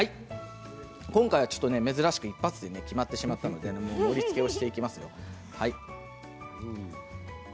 今回は珍しく一発で決まってしまったので盛りつけをしていきます。